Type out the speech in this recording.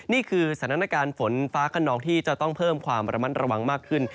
นี่คือสถานการณ์ฝนฟ้าขนองที่จะต้องเพิ่มความระมัดระวังมากขึ้น